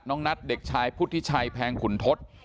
น้องนัทเด็กชายพุทธิชัยแพงขุนทศ